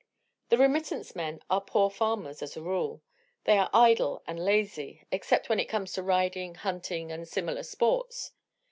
The remittance men are poor farmers, as a rule. They are idle and lazy except when it comes to riding, hunting and similar sports.